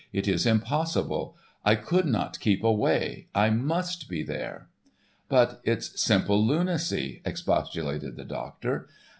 "It is impossible. I could not keep away. I must be there." "But it's simple lunacy," expostulated the doctor.